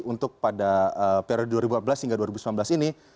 untuk pada periode dua ribu empat belas hingga dua ribu sembilan belas ini